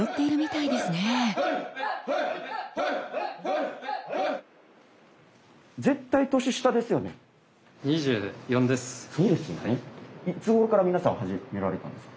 いつごろから皆さん始められたんですか？